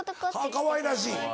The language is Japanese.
かわいらしい。